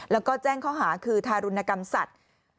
แล้วก็แจ้งข้อหาคือทารุณกรรมสัตว์